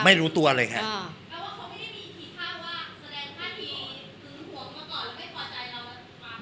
ไม่รู้ตัวเลยครับ